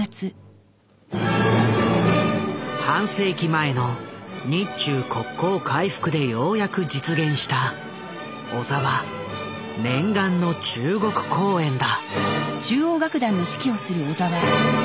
半世紀前の日中国交回復でようやく実現した小澤念願の中国公演だ。